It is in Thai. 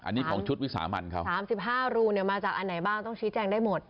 อันนี้ของชุดวิสามันเขา๓๕รูเนี่ยมาจากอันไหนบ้างต้องชี้แจงได้หมด